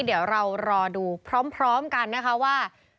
เดี๋ยวเรารอดูพร้อมกันนะคะว่า